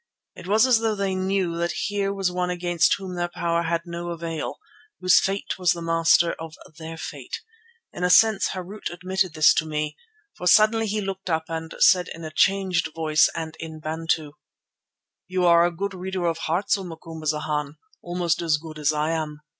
It was as though they knew that here was one against whom their power had no avail, whose fate was the master of their fate. In a sense Harût admitted this to me, for suddenly he looked up and said in a changed voice and in Bantu: "You are a good reader of hearts, O Macumazana, almost as good as I am.